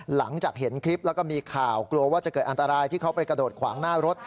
หลังจากเห็นคลิปแล้วก็มีข่าวกลัวว่าจะเกิดอันตรายที่เขาไปกระโดดขวางหน้ารถ